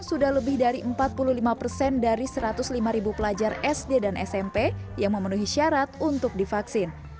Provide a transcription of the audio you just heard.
sudah lebih dari empat puluh lima persen dari satu ratus lima ribu pelajar sd dan smp yang memenuhi syarat untuk divaksin